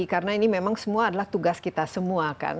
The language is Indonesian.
karena ini memang semua adalah tugas kita semua kan